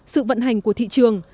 sự vận hành của thị trường